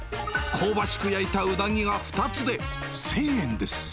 香ばしく焼いたうなぎが２つで１０００円です。